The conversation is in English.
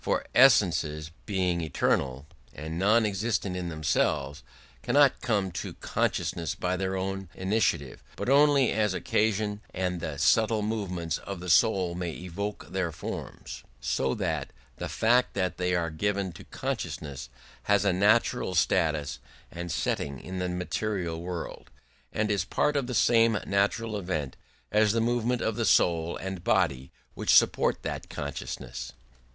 For essences, being eternal and non existent in themselves, cannot come to consciousness by their own initiative, but only as occasion and the subtle movements of the soul may evoke their forms; so that the fact that they are given to consciousness has a natural status and setting in the material world, and is part of the same natural event as the movement of the soul and body which supports that consciousness.